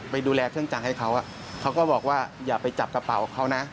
ไปดูแลเครื่องจักรให้เขาเขาก็บอกว่าอย่าไปจับกระเป๋าเขานะ